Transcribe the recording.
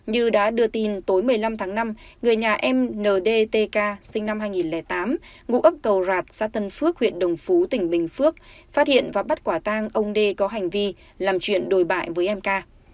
như đã đưa tin tối một mươi năm tháng năm người nhà em n d t k sinh năm hai nghìn tám ngụ ấp cầu rạt xa tân phước huyện đồng phú tỉnh bình phước phát hiện và bắt quả tang ông d có hành vi làm chuyện đồi bại với em k